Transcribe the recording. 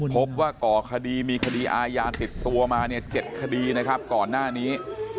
พบว่าก่อคดีมีคดีอายาติดตัวมา๗คดีนะครับก่อนหน้านี้